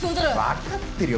わかってるよ！